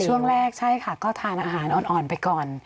ช่วงแรกใช่ค่ะก็ทานอาหารอ่อนไปก่อน